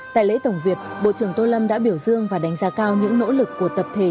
tại lễ tổng duyệt bộ trưởng tô lâm đã biểu dương và đánh giá cao những nỗ lực của tập thể